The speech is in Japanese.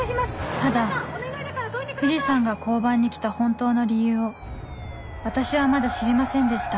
ただ藤さんが交番に来た本当の理由を私はまだ知りませんでした